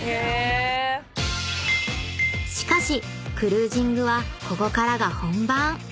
［しかしクルージングはここからが本番］